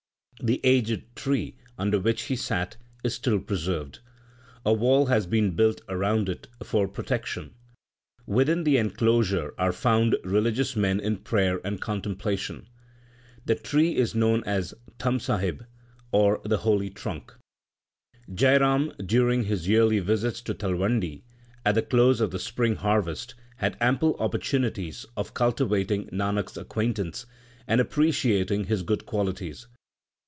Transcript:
The aged tree under which he sat is still preserved. A wall has been built around it for protection. Within the enclosure are found religious men in prayer and contemplation. The tree is known as the Thamb Sahib, or the holy trunk. Jai Ram, during his yearly visits to Talwandi at the close of the spring harvest, had ample oppor tunities of cultivating Nanak s acquaintance, and appreciating his good qualities.